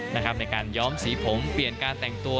ในการย้อมสีผมเปลี่ยนการแต่งตัว